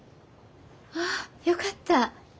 ああよかった！